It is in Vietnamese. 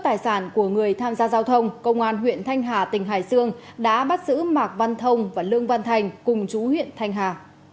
tài sản của người tham gia giao thông công an huyện thanh hà tỉnh hải dương đã bắt giữ mạc văn thông và lương văn thành cùng chú huyện thanh hà